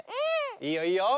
いいよいいよ。